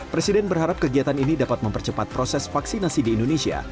presiden berharap kegiatan ini dapat mempercepat proses vaksinasi di indonesia